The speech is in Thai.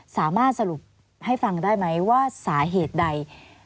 สามารถสรุปให้ฟังได้ไหมว่าสาเหตุใด